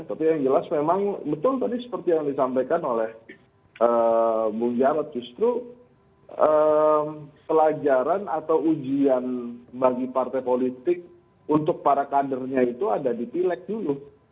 tapi yang jelas memang betul tadi seperti yang disampaikan oleh bung jarod justru pelajaran atau ujian bagi partai politik untuk para kadernya itu ada di pilek dulu